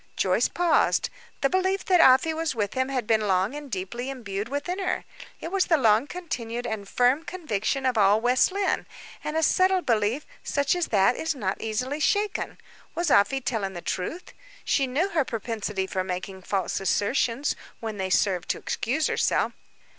Joyce paused. The belief that Afy was with him had been long and deeply imbued within her; it was the long continued and firm conviction of all West Lynne, and a settled belief, such as that, is not easily shaken. Was Afy telling the truth? She knew her propensity for making false assertions, when they served to excuse herself.